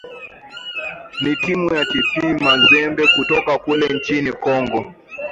na timu ya tp mazembe kutoka kule nchini congo